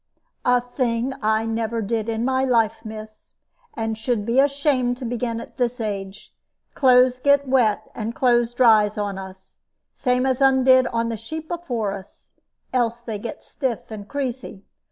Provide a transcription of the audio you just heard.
"A thing I never did in my life, miss, and should be ashamed to begin at this age. Clothes gets wet, and clothes dries on us, same as un did on the sheep afore us; else they gets stiff and creasy.